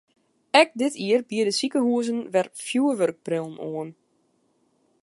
Ek dit jier biede sikehuzen wer fjurwurkbrillen oan.